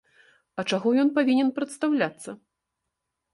А чаго ён павінен прадстаўляцца?